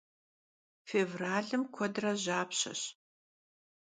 Fêvralım kuedre japşeş.